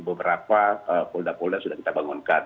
beberapa folder folder sudah kita bangunkan